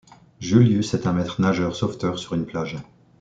Julius est un maître nageur-sauveteur sur une plage.